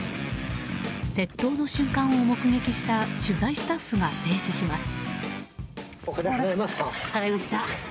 窃盗の瞬間を目撃した取材スタッフが制止します。